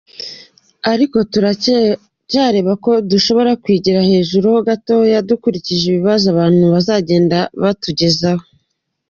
Ariko turacyareba ko dushobora kwigiza hejuru ho gatoya dukurikije ibibazo abantu bazagenda batugezaho.